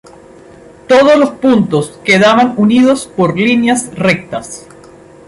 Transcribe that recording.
Todos los puntos quedaban unidos por líneas rectas.